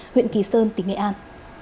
huyện kỳ sơn tỉnh nghệ an